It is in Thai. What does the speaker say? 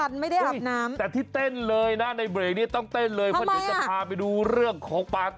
นะน่าจะไม่ใช่ท่าเต้นแล้วล่ะ